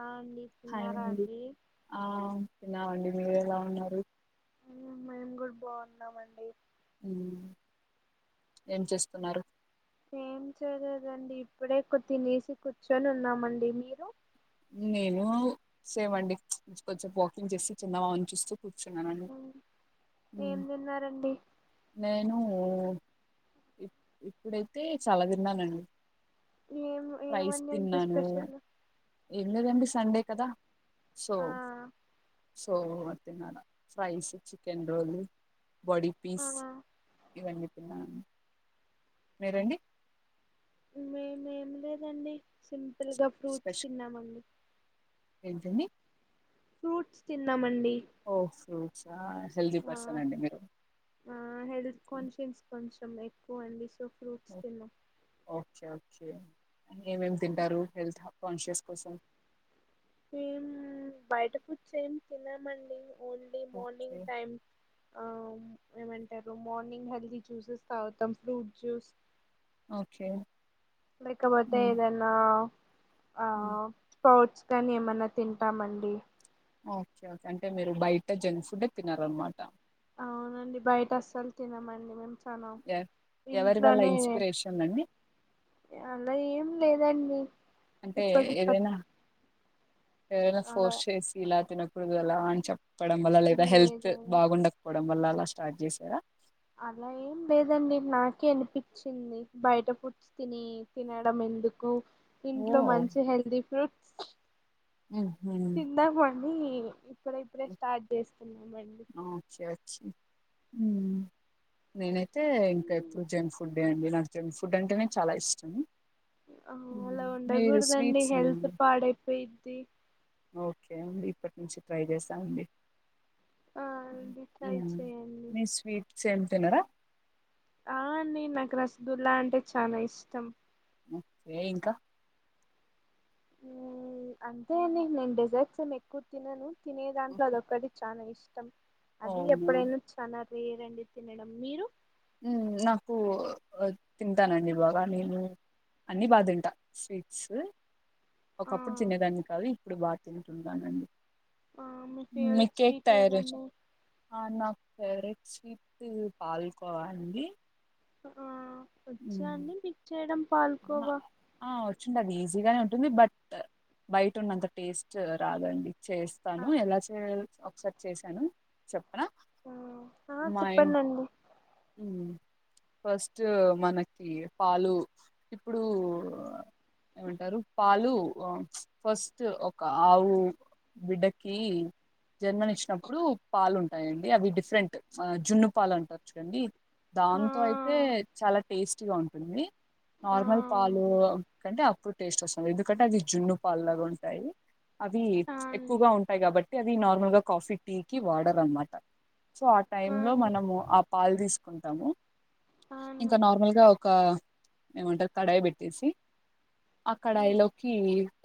ఆ అండి హాయ్ అండి ఆ ఉన్నావండి మీరు ఎలా ఉన్నారు హమ్ మేము కూడా బాగున్నామండి ఏం చేస్తున్నారు ఏం చేయలేదండి ఇప్పుడే కొ తినేసి కూర్చొని ఉన్నామండి మీరు నేనూ సేమ్ అండి కొంచం వాకింగ్ చేస్తే చిన్నగవుదాం చూస్తూ కూర్చున్నాను ఏం తిన్నారండి నేను ఇప్పుడైతే చాలా తిన్నానండి ఏం రైస్స్ ఏమండి అంత తిన్నాను స్పెషల్ ఏ లేదండి సండే కదా సో ఆ సో మరి తినాలా ఫ్రైస్ చికెన్ రోల్ బాడీ ఆ పీస్ ఇవన్నీ తిన్నా మీరండి మేమ ఏమి లేదండి సింపుల్గా ఫ్రూట్స్ తిన్నామండి ఏంటడి ఫ్రూట్స్ తిన్నామండి ఓ ఫ్రూట్సా హెల్దీ ఆ పర్సన్ అండి మీరు ఆ హెల్త్ కాన్షియస్ కొంచెం ఎక్కువ అయింది సో ఓ ఫ్రూట్స్ తిన్నా ఓకే ఓకే ఏమేం తింటారు హెల్త్ కాన్షియస్ కోసం మేం బయట ఫుడ్స్ ఏం తినమండి ఓన్లీ ఓకే. మార్నింగ్ టైం ఆ ఏమంటారు మార్నింగ్ హెల్దీ జ్యూసెస్ తాగుతాం ఫ్రూట్ జ్యూస్ ఒకే లేకపోతే ఏదన్న ఆ హ్మ్. స్పోర్ట్స్ కానీ ఏమనా తింటామండి ఓకే ఓకే అంటే మీరు బయట జంక్ ఫుడ్యే తినారనమాట అవునండి బయట అసలు తినమండి మేం నం ఎ ఎవరి వల్ల ఇంట్లోనే ఇన్స్పిరేషన్ అండి? అలా ఏం లేదండి అంటే ఇప్పటి పట్ ఏదైనా ఏరైనా అలా ఫోర్స్ చేసి ఇలా తినకూడదు ఎలా అని చెప్పడం వల్ల లేదా హెల్త్ లేదండి బాగుండ వడం వల్ల అలా స్టార్ట్ చేసారా అలా ఏం లేదండి నాకే అనిపిచ్చింది బయట ఫుడ్ తిని తినడం ఎందుకు ఇంట్లో ఓహ్! మంచి హెల్దీ ఫ్రూట్స్ హుహు. తిందామని ఇప్పుడిప్పుడే స్టార్ట్ చేస్తున్నామండి ఆ ఓకే ఓకే ఉ నేను అయితే ఇంకా ఎప్పుడు జంక్ ఫుడ్ అండి నాకు జంక్ ఫుడ్ అంటేనే చాలా ఇష్టం ఆ అలా హ్మ్. మీరు ఉండకూడదండి స్వీట్స్ హెల్త్ పాడైపోయిద్ది ఓకే ఇప్పటి నుంచి ట్రై చేస్తామండి ఆ అండి ట్రై చేయండి మీరు స్వీట్స్ ఏం తినారా ఆ అండి నాకు రసగుల్లా అంటే చాలా ఇష్టం ఏ ఇంకా అంతే అండి నేను డెజర్ట్స్ ఏమి ఎక్కువ తినను తినే దాంట్లో ఓకే. అదొ ఒకటి చానా ఇష్టం అది అవునా ఎప్పుడైనా చానా రేరండి తినేడం మీరు? ఉ నాకు తింటానండి బాగా నేను అన్ని బా తింట స్వీట్స్ ఆ ఒకప్పుడు తినేదాన్ని కాదు ఇప్పుడు బాగా తింటున్ననాండి. ఆ మీ ఫేవరెట్ కేక్ స్వీట్ తయారు ఏదండి ఆ నాకు ఫేవరెట్ స్వీట్ పాలకోవా అండి ఆ వచ్చా మ్మ్ అండి మీకు చేయడం పాలకోవా? ఆ వచ్చిందండి ఈజీగానే ఉంటుంది బట్ బయట ఉన్నంత టేస్ట్ రాదండి చే ఆ స్తాను ఎలా చేయాలో ఒకసారి చేశాను చెప్పన ఆ మాయిన్ చెప్పండి అండి ఫస్ట్ మనకి పాలు ఇప్పుడు ఏమంటారు పాలు ఫస్ట్ ఒక ఆవు బిడ్డకి జన్మని ఇచ్చినప్పుడు పాలు ఉంటాయండి అవి డిఫరెంట్ ఆ జున్ను పాలు అంటారు చూడండి ఆ దాంతో అయితే చాల టెస్ట్ గ ఉంటుంది ఆ నార్మల్ పాలు అవును కంటే అప్పుడు టేస్ట్ వస్తుంది ఎందుకంటే అవి జున్ను పాలు లాగా ఉంటాయి అవి ఆ అండి ఎక్కువగా ఉం టయి కాబట్టి అది నార్మల్ గా కాఫీ, టీ కి వాడరూ అనమాట సో ఆ టైమ్ లో మనము ఆ పాలు తీసుకుంటాము ఆ ఇంకా అండి నిర్మల్గా ఒక ఏమంటారు కడాయి పెట్టేసి ఆ కడాయిలోకి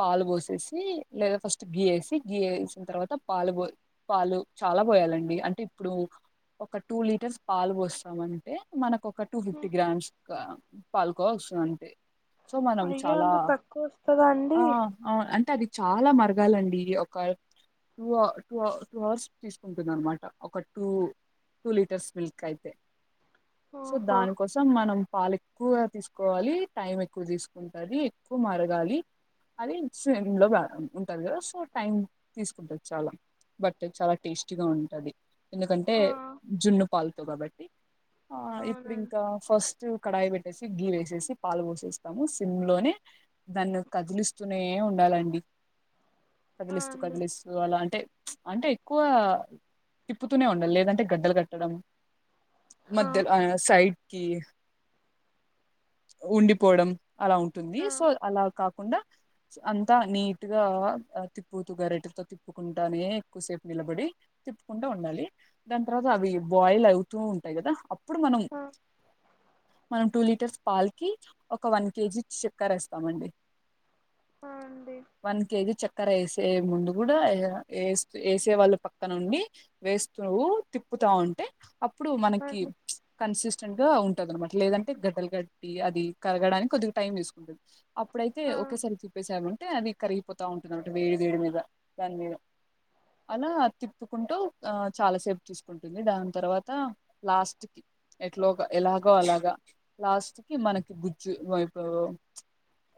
పాలు పోసేసి లేదా ఫస్ట్ గీయి వేసి గీయి వేసిన తర్వాత పాలు పో పాలు చాలా పోయాలండి అంటే ఇప్పుడు ఒక టూ లీటర్స్ పాలు పోస్తాం అంటే మనకు ఒక టూ ఫిఫ్టీ గ్రామ్స్ పాలకోవ్ వస్తుంది అంతే సో మనం అయ్యో చాలా అంత తక్కువ వస్తదా అండి ఆ అవు అంటే అది చాలా మరగాలండి ఒక టూవ టూవ టూ అవర్స్ తీసుకుంటుందనమాట ఒక టూ టూ లీటర్స్ మిల్క్ అయితే సో ఓహో దానికోసం మనం పాల్ ఎక్కువగా తీసుకోవాలి టైమ్ ఎక్కువ తీసుకుంటది ఎక్కువ మరగాలి. అది సేమ్ లో రాదు ఉంటాది కదా సో టైమ్ తీసుకుంటది చాలా బట్ చాలా టేస్టీగా ఉంటది ఎందుకంటే ఆ జున్ను పాలతో గాబట్టి ఆ ఇప్పుడు అవునండి ఇంకా ఫస్ట్ కడాయి పెట్ వేసి గీ వేసేసి పాలు పోసేస్తాము సిమ్ లోనే దాన్ను కదిలిస్తూనే ఉండాలండి ఆ కదిలిస్తూ అండి కదిలిస్తూ అలా అంటే అంటే ఎక్కువ తిప్పుతూనే ఉండాలి లేదంటే గడ్డలు కట్టడం ఆ మధ్యల సైడ్కి ఉండిపోవడం అలా ఉంటుంది ఆ సో అలా కాకుండా అంతా నీట్ గా ఆ తిప్పుతూ గరెటితో తిప్పు తిప్పుకుంటానే ఎక్కువసేపు నిలబడి తిప్పుకుంటా ఉండాలి. దాని తర్వాత అవి బాయిల్ అవుతూ ఉంటాయి కదా అప్పుడు మనం ఆ మనం టూ లీటర్స్ పాల్కి ఒక వన్ కేజీ చక్కర వేస్తామండి. ఆ అండి వన్ కేజీ చక్కెర వేసే ముందు కూడా ఎయ్ వేసే వాళ్ళు పక్క నుండి వేస్తు తిప్పుతా ఉంటే అప్పుడు మనకి అండి కన్సిస్టెంట్ గా ఉంటది అనమాట లేదంటే లే గడ్డలు కట్టి అది కరగడానికి కొద్దిగా టైం తీసుకుంటుంది. అప్పుడైతే ఆ ఒకేసారి తీ ప్పేసాముంటే అది కరిగిపోతా ఉంటుందిమాట వేడి వేడి మీద దాని మీద. అలా తిప్పుకుంటూ ఆ చాల సేపు చూస్ కుంటుంది దాని తర్వాత లాస్ట్ కి ఎట్లా ఎలాగో అలాగ లాస్ట్ కి మనకి గుజ్జు వైపో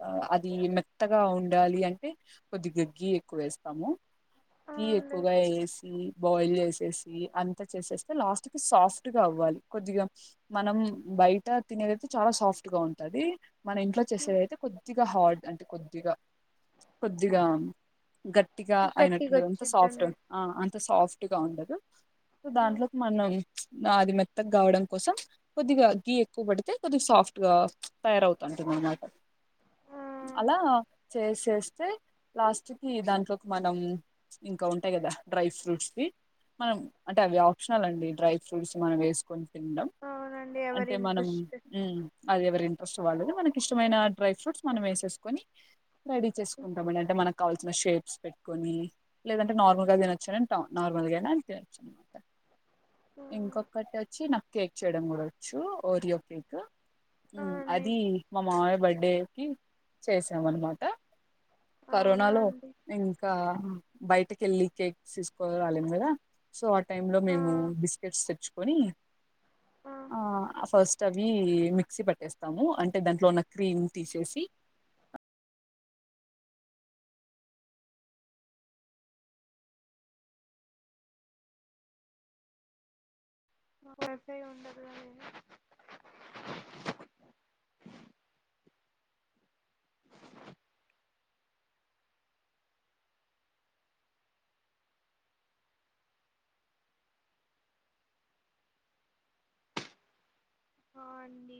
ఆ అది మెత్తగా ఉండాలి అంటే కొద్దిగ గీ ఎక్కువ వేస్తాము. ఆ గీ అండి ఎక్కువగా ఏసి బాయిల్ చేసేసి అంత చేసేస్తే లాస్ట్ కి సాఫ్ట్ గా అవ్వాలి కొద్దిగా మనం బయట తినేదైతే చాలా సాఫ్ట్ గా ఉంటది. మన ఇంట్లో చేసేదైతే [unintelligible] కొద్దిగా హార్డ్ అంటే కొద్దిగా కొద్దిగా గ పటిగా గట్టిగా అయినట్టుది అంత సాఫ్ట్ వచ్చిద్దండి అంత సాఫ్ట్ గా ఉండదు సో ఉమ్, దాంట్లోకి మనం ఆది మెత్తగా కావడం కోసం కొద్దిగా గీ తక్కువబడితే కొద్ది సాఫ్ట్ గా తయారవుతు [unintelligible] ఆ అలా చేసేస్తే లాస్ట్కి దాంట్లో ఒక మనం ఇంకా ఉంటయి కదా డ్రై ఫ్రూట్స్వి మనం అంటే అవి ఆప్షనల్ అండి డ్రై ఫ్రూట్స్ మనం వేసుకొని తినడం అవునండి ఎవరి మనం ఇంట్రెస్ట్ అది ఎవరి ఇంట్రెస్ట్ వాళ్ళదు మనకి ఇష్టమైన డ్రై ఫ్రూట్స్ మనం వేసేసుకొని రెడీ చేసుకుంటామండి అంటే మనకు కావాల్సిన షేప్స్ పె ని లేదంటే నార్మల్గా తినొచ్చన నార్మల్గా తినొచ్చు అనమాట ఉమ్, ఇంకొకటి వచ్చి నాకు కేక్ చేయడం కూడ వచ్చు ఓరియో కేక్. ఆ అండి అది మా మావయ్య బర్త్డే కి చేసాం అనమాట అవునా కరోనాలో అండి ఇంకా బయటకి వెళ్ళి కేక్ తీసుకురాలేము కదా. సో ఆ టైం లో ఆ మేము బిస్కెట్స్ తెచ్చుకొని ఆ ఫస్ట్ అవి మిక్సీ పట్టేస్తాము అంటే దాంట్లో ఉన్న క్రీమ్ తీసేసి మాకు వైఫై ఉండదు అదే హ అండి